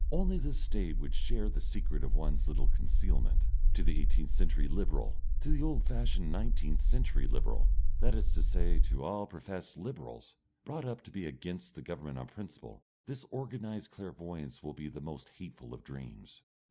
Only the State would share the secret of one's little concealment. To the eighteenth century Liberal, to the old fashioned nineteenth century Liberal, that is to say to all professed Liberals, brought up to be against the Government on principle, this organised clairvoyance will be the most hateful of dreams.